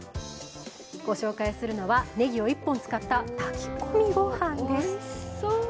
ご紹介するのはネギを１本使った炊き込み御飯です。